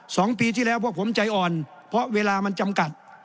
สองปีที่แล้วพวกผมใจอ่อนเพราะเวลามันจำกัด